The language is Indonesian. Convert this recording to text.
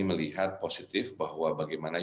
melihat positif bahwa bagaimana